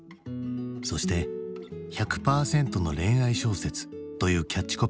そして「１００パーセントの恋愛小説！」というキャッチコピー。